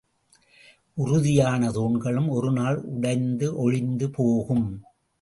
உறுதியான தூண்களும் ஒருநாள் உடைந்து ஒழிந்து போகும்.